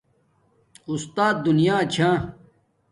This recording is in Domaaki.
اُستات دینا چھا